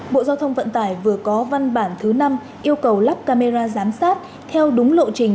bộ giao thông vận tải vừa có văn bản thứ năm yêu cầu lắp camera giám sát theo đúng lộ trình